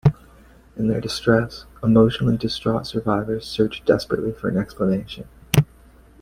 In their distress, emotionally distraught survivors searched desperately for an explanation.